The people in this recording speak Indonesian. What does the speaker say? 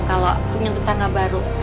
kalau punya tetangga baru